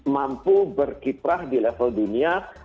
mampu berkiprah di level dunia